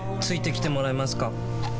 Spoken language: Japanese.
付いてきてもらえますか？